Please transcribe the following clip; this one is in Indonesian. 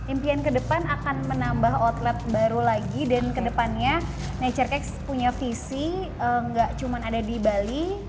impian ke depan akan menambah outlet baru lagi dan kedepannya nature cakes punya visi gak cuma ada di bali